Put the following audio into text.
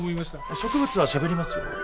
植物はしゃべりますよ。